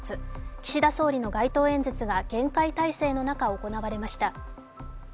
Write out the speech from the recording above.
岸田総理の街頭演説が厳戒態勢の中、行われました。